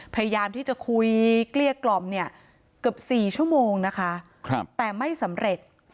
พยายามที่จะคุยเกลี้ยกล่อมเนี่ยเกือบ๔ชั่วโมงนะคะแต่ไม่สำเร็จ